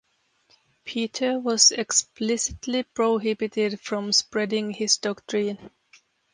Peter was explicitly prohibited from spreading his doctrine.